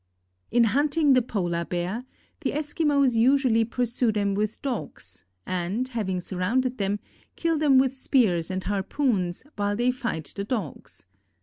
In hunting the Polar Bear the Eskimos usually pursue them with dogs and having surrounded them, kill them with spears and harpoons, while they fight the dogs.